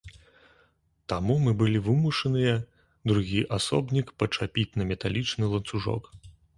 Таму мы былі вымушаныя другі асобнік пачапіць на металічны ланцужок.